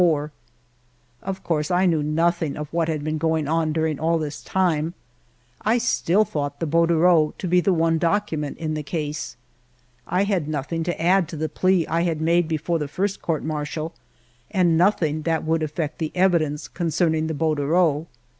Of course I knew nothing of what had been going on during all this time ; I still thought the bor dereau to be the one document in the case. I had nothing to add to the plea I had made before the first Court Martial, and nothing that would affect the evidence concerning the bordereau.